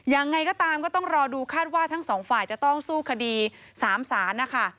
ยังไงก็ตามก็ต้องรอดูคาดว่าทั้งสองฝ่ายจะต้องสู้คดี๓ศาลนะคะ